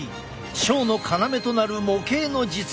ショーの要となる模型の実現。